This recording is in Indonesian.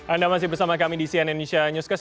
anda masih bersama kami di cnn indonesia newscast